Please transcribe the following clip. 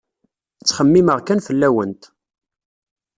Ttxemmimeɣ kan fell-awent.